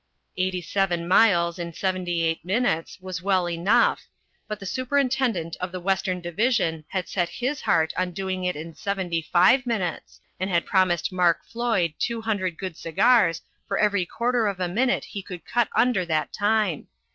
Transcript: Eighty seven miles in 78 minutes was well enough; but the superintendent of the Western Division had set his heart on doing it in 75 minutes, and had promised Mark Floyd two hundred good cigars for every quarter of a minute he could cut under that time.